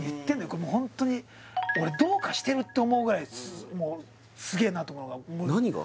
これもうホントに俺どうかしてるって思うぐらいもうすげえなと思うのが何が？